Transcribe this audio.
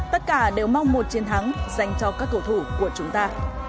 tất cả đều mong một chiến thắng dành cho các cầu thủ của chúng ta